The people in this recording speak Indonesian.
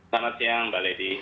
selamat siang mbak lady